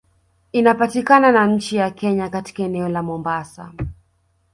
Inapatakana na nchi ya kenya katika eneo la mombasa